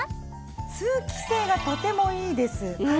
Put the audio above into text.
通気性がとてもいいです。